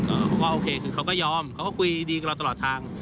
เพราะว่าโอเคคือเขาก็ยอมเขาก็คุยดีกับเราตลอดทาง